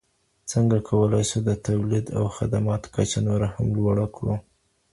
څنګه کولای سو د تولید او خدماتو کچه نوره هم لوړه کړو؟